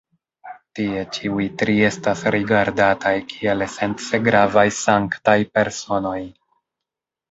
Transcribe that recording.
Tie ĉiuj tri estas rigardataj kiel esence gravaj sanktaj personoj.